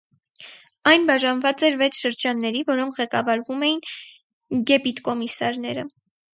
Այն բաժանված էր վեց շրջանների, որոնք ղեկավարում էին գեբիտկոմիսարները։